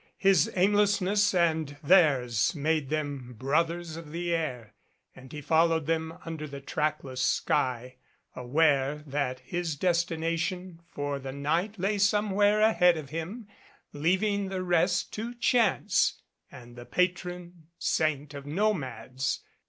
His aimlessness and theirs made them brothers of the air, and he followed them under the trackless sky, aware that his destination for the night lay somewhere ahead of him, leaving the rest to chance and the patron saint of Nomads.